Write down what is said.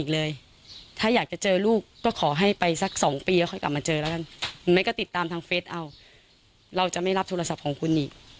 แล้วคุณจะรับโทรศัพท์ของคุณอีก